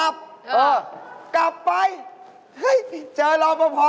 บอกพี่เองเออเออ